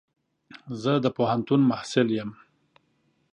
زه د پوهنتون محصل يم.